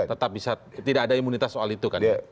tidak ada imunitas soal itu kan ya